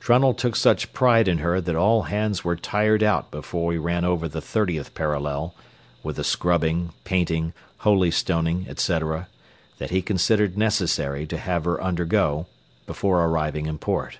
Trunnell took such pride in her that all hands were tired out before we ran over the thirtieth parallel, with the scrubbing, painting, holy stoning, etc., that he considered necessary to have her undergo before arriving in port.